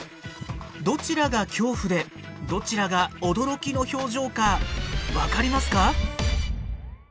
どちらが恐怖でどちらが驚きの表情か分かりますか？